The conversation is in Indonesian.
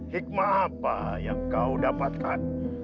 hikmah apa yang kau dapatkan